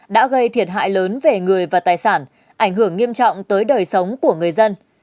đã gây thiệt hại lớn về người và tài sản ảnh hưởng nghiêm trọng tới đời sống của người dân